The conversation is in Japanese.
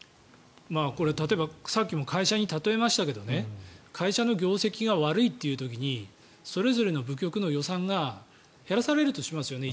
これ、例えばさっきも会社に例えましたけど会社の業績が悪いという時にそれぞれの部局の予算が減らされるとしますよね